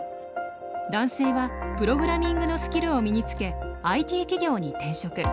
男性はプログラミングのスキルを身につけＩＴ企業に転職。